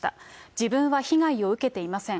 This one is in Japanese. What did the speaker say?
自分は被害を受けていません。